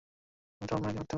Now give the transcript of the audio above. আমিই তোর মেয়েকে হত্যা করেছি।